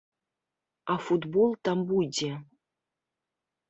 А футбол там будзе.